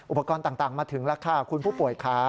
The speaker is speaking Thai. อุปกรณ์ต่างมาถึงแล้วค่ะคุณผู้ป่วยค่ะ